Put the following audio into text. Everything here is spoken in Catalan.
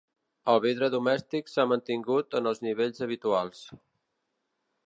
El vidre domèstic s’ha mantingut en els nivells habituals.